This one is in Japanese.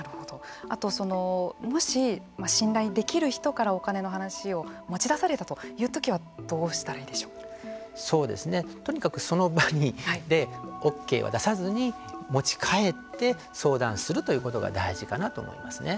あと、もし信頼できる人からお金の話を持ちだされたというときはとにかくその場でオーケーは出さずに持ち帰って相談するということが大事かなと思いますね。